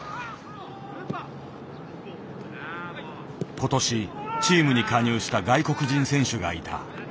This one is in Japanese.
今年チームに加入した外国人選手がいた。